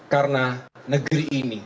karena negeri ini